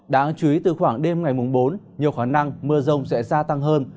đáng chú ý từ khoảng đêm ngày bốn nhiều khả năng mưa rông sẽ gia tăng hơn